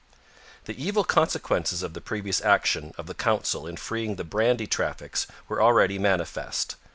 The evil consequences of the previous action of the council in freeing the brandy traffic were already manifest.